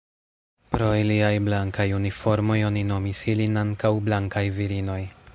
Pro iliaj blankaj uniformoj oni nomis ilin ankaŭ Blankaj virinoj.